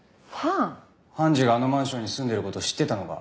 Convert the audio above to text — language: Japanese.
判事があのマンションに住んでる事を知ってたのか？